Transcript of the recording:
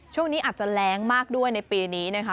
ช่วงนี้อาจจะแรงมากด้วยในปีนี้นะคะ